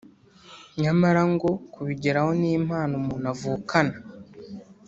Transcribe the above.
nyamara ngo kubigeraho ni impano umuntu avukana